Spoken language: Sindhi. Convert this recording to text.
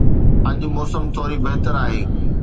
اڄ موسم ٿوري بهتر آهي